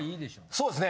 そうですね。